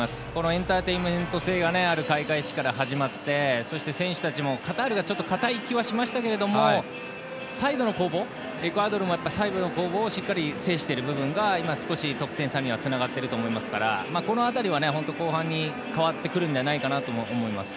エンターテインメント性がある開会式から始まってそして選手たちも、カタールがちょっと硬い気がしましたがエクアドルもサイドの攻防をしっかり制している部分が少し得点差につながっていると思いますからこの辺りは後半に変わってくると思います。